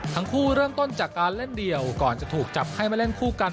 ทั้งคู่เริ่มต้นจากการเล่นเดี่ยวก่อนจะถูกจับให้มาเล่นคู่กัน